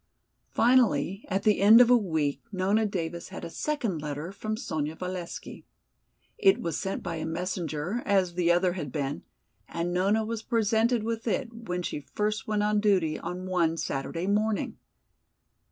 Finally, at the end of a week Nona Davis had a second letter from Sonya Valesky. It was sent by a messenger, as the other had been, and Nona was presented with it when she first went on duty on one Saturday morning.